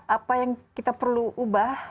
apa yang kita perlu ubah